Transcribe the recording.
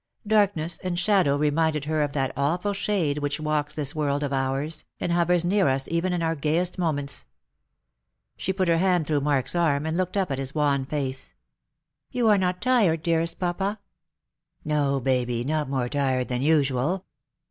Darkness and shadow reminded her of that awful shade which walks this world of ours, and hovers near us even in our gayest moments. She put her hand through Mark's arm, and looked up at his wan face. " You are not tired, dearest papa ?"" No, Baby, not more tired than usual."